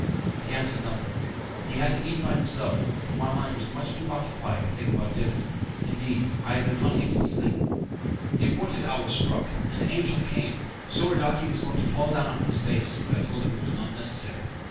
He answered nothing. He had to eat by himself, for my mind was too much occupied to think about dinner indeed, I had been unable to sleep. The appointed hour struck and the angel came, Soradaci was going to fall down on his face, but I told him it was not necessary.